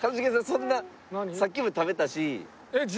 そんなさっきも食べたし。